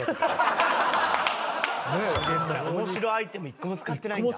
面白アイテム一個も使ってないんだ。